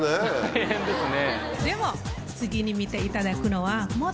大変ですね。